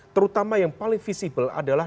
terutama yang paling visible adalah